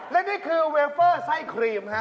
และนี่คือเวลเฟอร์ไส้ครีมฮะ